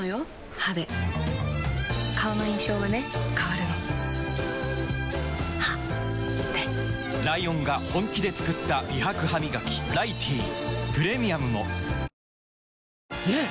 歯で顔の印象はね変わるの歯でライオンが本気で作った美白ハミガキ「ライティー」プレミアムもねえ‼